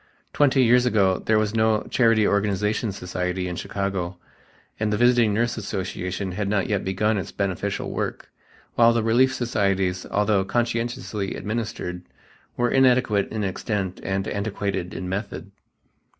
Twenty years ago there was no Charity Organization Society in Chicago and the Visiting Nurse Association had not yet begun its beneficial work, while the relief societies, although conscientiously administered, were inadequate in extent and antiquated in method.